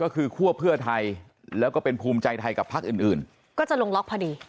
ก็จะลงล็อกพอดี